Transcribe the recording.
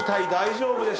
大丈夫？